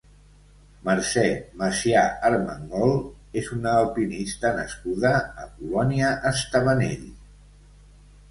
Mercè Macià Armengol és una alpinista nascuda a Colònia Estabanell.